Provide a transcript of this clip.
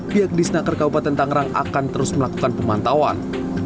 pihak di senaker kabupaten tangerang akan terus melakukan pemantauan